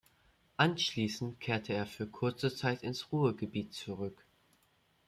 Anschließend kehrte er für kurze Zeit ins Ruhrgebiet zurück.